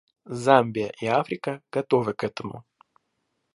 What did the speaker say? Замбия и Африка готовы к этому.